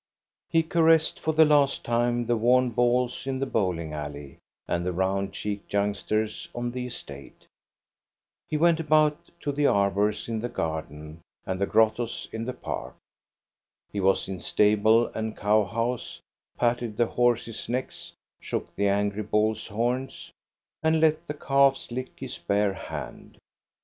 He caressed for the last time the worn balls in the bowling alley and the round cheeked youngsters on the estate. He went about to the arbors in the garden and the grottos in the park. He was in stable and cow house, patted the horses' necks, shook the angry bull's horns, and let the calves lick his bare hand.